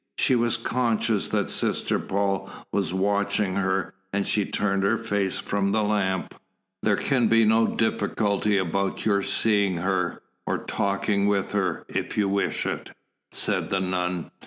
She was conscious that Sister Paul was watching her, and she turned her face from the lamp. "There can be no difficulty about your seeing her, or talking with her, if you wish it," said the nun.